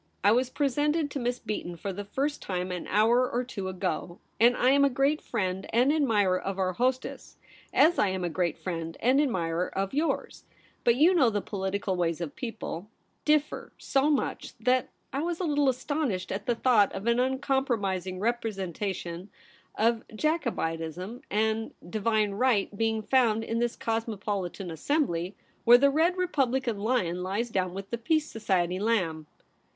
I was presented to Miss Beaton for the first time an hour or two ago, and I am a great friend and admirer of our hostess, as T am a great friend and admirer of yours ; but you know the political ways of people differ so much, that I was a Uttle astonished at the thought of an uncompro mising representative of Jacobitism and i8 THE REBEL ROSE. '' Divine Right " being found in this cosmo politan assembly, where the red Republican lion lies down with the Peace Society lamb.'